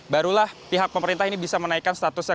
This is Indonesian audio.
barulah pihak pemerintah ini bisa menaikkan statusnya